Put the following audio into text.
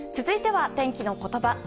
続いては、天気のことば。